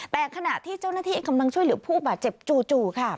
แต่ขณะที่เจ้าหน้าที่กำลังช่วยเหลือผู้บาดเจ็บจู่ค่ะ